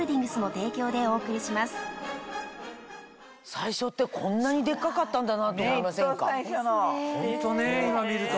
最初ってこんなにでっかかったんだなと思いませんか？